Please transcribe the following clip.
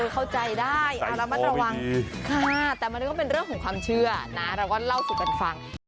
เข้าใจได้ระมัดระวังค่ะแต่มันก็เป็นเรื่องของความเชื่อนะเราก็เล่าสู่กันฟัง